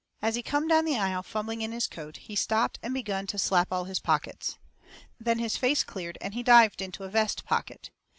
As he come down the aisle fumbling in his coat, he stopped and begun to slap all his pockets. Then his face cleared, and he dived into a vest pocket.